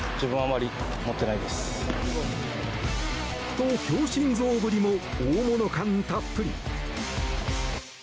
と、強心臓ぶりも大物感たっぷり。